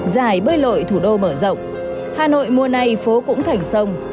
dài bơi lội thủ đô mở rộng hà nội mùa này phố cũng thảnh sông